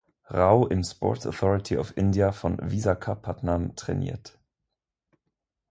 Rao im "Sports Authority of India" von Visakhapatnam trainiert.